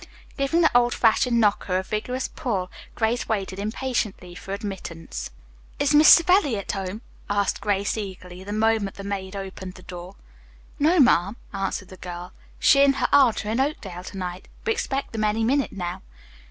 Giving the old fashioned knocker a vigorous pull, Grace waited impatiently for admittance. "Is Miss Savelli at home?" asked Grace eagerly, the moment the maid opened the door. "No, ma'am," answered the girl. "She and her aunt are in Oakdale to night. We expect them any minute now."